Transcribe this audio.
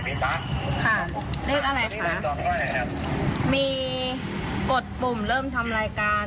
ขอเชิญใหม่เลข๑๖๗ที่ช่องบริการ๑๕